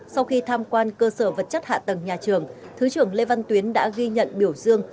sau khi tham quan cơ sở vật chất hạ tầng nhà trường thứ trưởng lê văn tuyến đã ghi nhận biểu dương